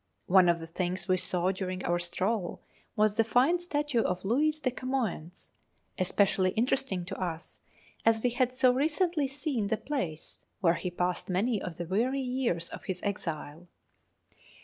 One of the things we saw during our stroll was the fine statue of Luiz de Camoens, specially interesting to us, as we had so recently seen the place where he passed many of the weary years of his exile.